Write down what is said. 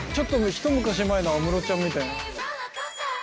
一昔前の安室ちゃんみたい。